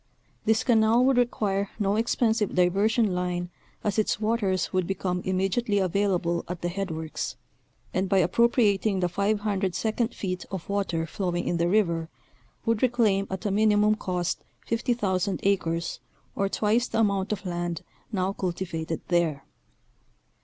This canal would require no expensive diversion line, as its waters would become immedi ately available at the headworks, and by appropriating the 500 second feet of water flowing in the river, would reclaim at a minimum cost 50,000 acres, or twice the amount of land now cultivated there.